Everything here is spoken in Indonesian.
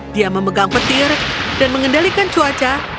dia memegang petir dan mengendalikan cuaca